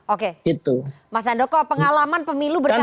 oke mas andoko pengalaman pemilu berkali kali